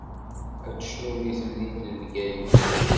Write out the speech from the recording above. Ad cnun di temdint n Bgayet.